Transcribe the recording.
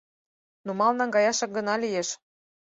Нумал наҥгаяшак гына лиеш.